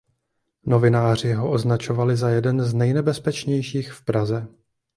Novináři ho označovali za jeden z nejnebezpečnějších v Praze.